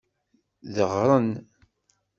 Deɣren.